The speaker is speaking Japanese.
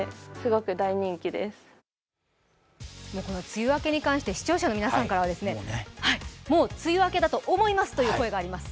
梅雨明けに関して視聴者の皆さんからもう梅雨明けだと思いますという声があります。